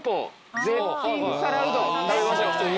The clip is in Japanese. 食べましょう！